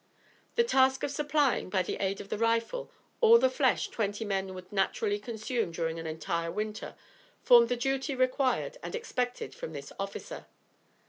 The task of supplying, by the aid of the rifle, all the flesh twenty men would naturally consume during an entire winter, formed the duty required and expected from this officer.